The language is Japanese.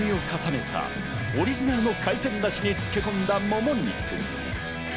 うまみを重ねたオリジナルの海鮮だしに漬け込んだもも肉。